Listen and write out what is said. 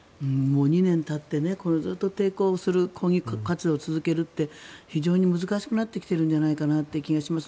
２年たってずっと抵抗する、抗議活動を続けるって非常に難しくなってきているんじゃないかなという気がします。